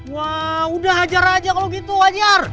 wah udah hajar aja kalau gitu wajar